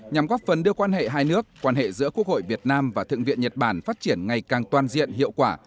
nhằm góp phần đưa quan hệ hai nước quan hệ giữa quốc hội việt nam và thượng viện nhật bản phát triển ngày càng toàn diện hiệu quả